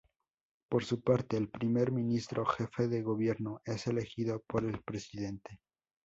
Por su parte, el Primer Ministro, jefe de gobierno, es elegido por el presidente.